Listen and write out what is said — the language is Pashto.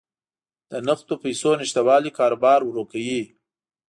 د نقدو پیسو نشتوالی کاروبار ورو کوي.